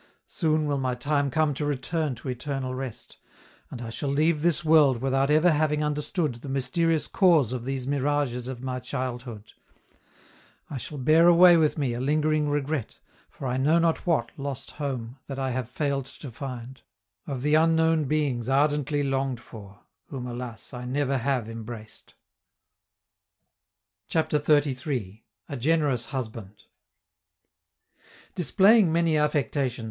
Soon will my time come to return to eternal rest, and I shall leave this world without ever having understood the mysterious cause of these mirages of my childhood; I shall bear away with me a lingering regret for I know not what lost home that I have failed to find, of the unknown beings ardently longed for, whom, alas, I never have embraced. CHAPTER XXXIII. A GENEROUS HUSBAND Displaying many affectations, M.